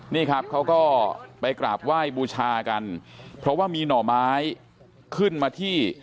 นี่ครับเขาก็ไปกราบไหว้บูชากันเพราะว่ามีหน่อไม้ขึ้นมาที่